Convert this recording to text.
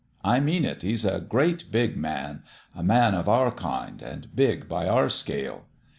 I mean it : he's a great big man a man of our kind, and big by our scale.